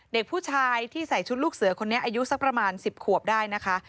เด็กผู้ชายที่ใส่ชุดลูกเสือคนนี้อายุสักประมาณ๑๐ขวบได้นะคะ